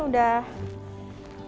ya udah keringatan